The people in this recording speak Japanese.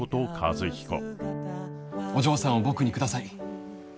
お嬢さんを僕に下さい。